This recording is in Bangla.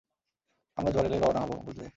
আমরা জোয়ার এলেই রওয়ানা হব, বুঝলে।